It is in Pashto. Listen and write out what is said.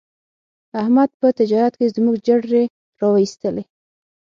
احمد په تجارت کې زموږ جرړې را و ایستلې.